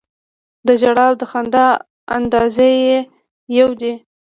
د ژړا او د خندا انداز یې یو دی.